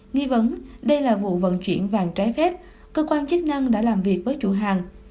nghi vấn đây là vụ vận chuyển vàng trái phép cơ quan chức năng đã làm việc với chủ hàng